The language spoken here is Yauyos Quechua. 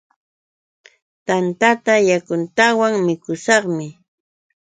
Tantata yakutawan mikushaqmi.